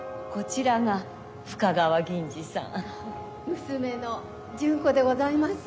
娘の順子でございます。